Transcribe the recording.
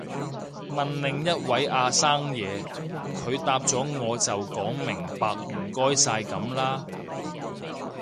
問另一位阿生嘢，佢答咗我就講明白唔該晒噉啦